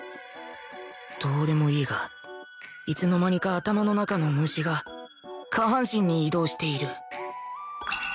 どうでもいいがいつの間にか頭の中の虫が下半身に移動している